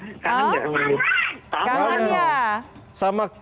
udah mengerti inrinya mada pamer saya